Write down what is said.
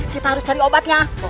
kita harus cari obatnya